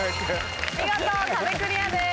見事壁クリアです。